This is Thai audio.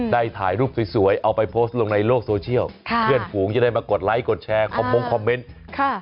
ได้ถ่ายรูปสวยเอาไปโพสต์ลงในโลกโซเชียลเพื่อนฝูงจะได้มากดไลค์กดแชร์คอมมงคอมเมนต์ค่ะ